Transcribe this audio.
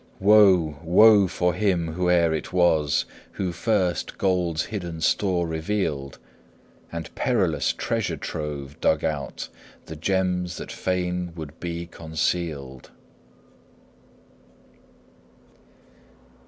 Woe, woe for him, whoe'er it was, Who first gold's hidden store revealed, And perilous treasure trove dug out The gems that fain would be concealed!